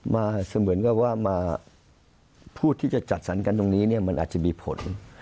เสมือนกับว่ามาพูดที่จะจัดสรรกันตรงนี้เนี่ยมันอาจจะมีผล